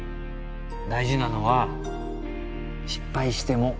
大事なのは失敗しても